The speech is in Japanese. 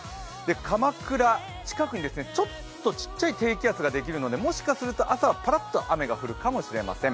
鎌倉、近くにちょっとちっちゃい低気圧ができるのでもしかすると朝はパラッと雨が降るかもしれません。